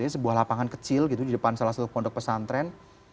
sebuah lapangan kecil gitu di depan salah satu pondok pesantren